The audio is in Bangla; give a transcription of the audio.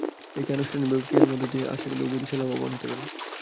একে আনুষ্ঠানিক প্রক্রিয়ার মধ্যে নিয়ে আসা গেলে উভয় দেশই লাভবান হতে পারে।